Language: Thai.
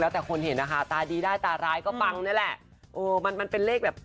แล้วแต่คนเห็นนะคะตาดีได้ตาร้ายก็ปังนี่แหละเออมันมันเป็นเลขแบบ